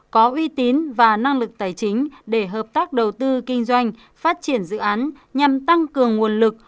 có uy tín và năng lực tài chính để hợp tác đầu tư kinh doanh phát triển dự án nhằm tăng cường nguồn lực